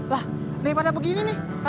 lah nih pada begini nih